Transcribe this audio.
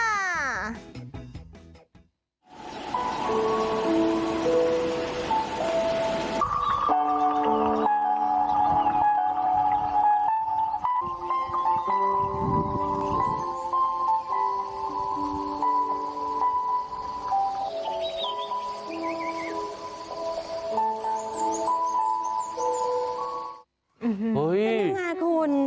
เฮ้ยเป็นยังไงคุณ